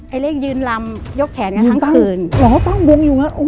ไอ้เล็กยืนลำยกแขนกันทั้งคืนหรอตั้งวงอยู่น่ะโอ้ย